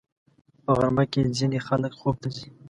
په غرمه کې ځینې خلک خوب ته ځي